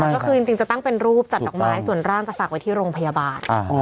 ก็คือจริงจะตั้งเป็นรูปจัดดอกไม้ส่วนร่างจะฝากไว้ที่โรงพยาบาล